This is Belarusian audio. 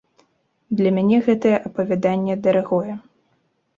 Для мяне гэтае апавяданне дарагое.